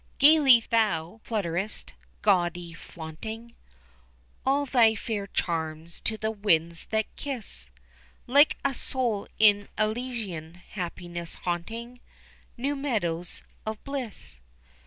Gaily thou flutterest, gaudily flaunting All thy fair charms to the winds that kiss Like a soul in elysian happiness haunting New meadows of bliss.